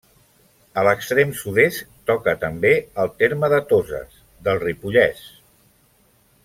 A l'extrem sud-est toca també el terme de Toses, del Ripollès.